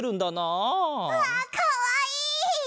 うわかわいい！